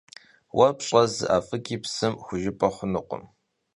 Vue pş'e zı 'ef'ıgi psım xujjıp'e xhunukhım.